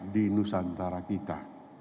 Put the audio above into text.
di nusantara kita